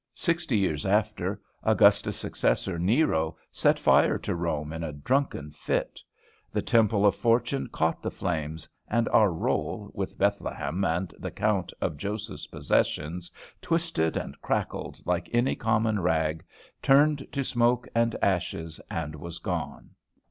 Sixty years after, Augustus' successor, Nero, set fire to Rome in a drunken fit. The Temple of Fortune caught the flames, and our roll, with Bethlehem and the count of Joseph's possessions twisted and crackled like any common rag, turned to smoke and ashes, and was gone.